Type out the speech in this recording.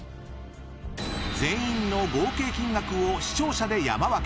全員の合計金額を視聴者に山分け。